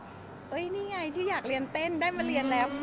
นี่ไงที่อยากเรียนเต้นได้มาเรียนแล้ว